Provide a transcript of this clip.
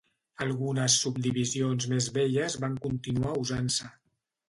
Algunes subdivisions més velles van continuar usant-se.